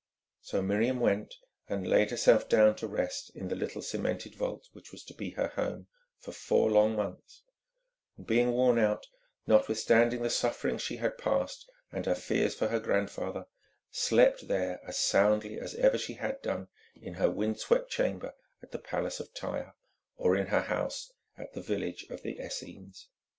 So Miriam went and laid herself down to rest in the little cemented vault which was to be her home for four long months; and being worn out, notwithstanding the sufferings she had passed and her fears for her grandfather, slept there as soundly as ever she had done in her wind swept chamber at the palace of Tyre, or in her house at the village of the Essenes.